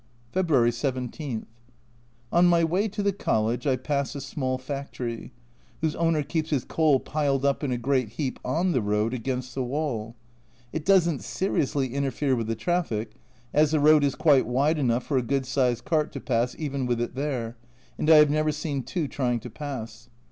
February 17. On my way to the College I pass a small factory, whose owner keeps his coal piled up in a great heap on the road against the wall. It doesn't seriously interfere with the traffic, as the road is quite wide enough for a good sized cart to pass even with it there, and I have never seen two trying to pass.